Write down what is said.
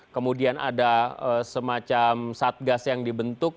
kemudian ada semacam satgas yang dibentuk